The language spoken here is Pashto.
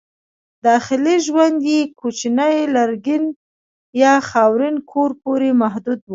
داخلي ژوند یې کوچني لرګین یا خاورین کور پورې محدود و.